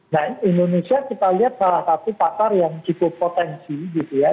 nah indonesia kita lihat salah satu pasar yang cukup potensi gitu ya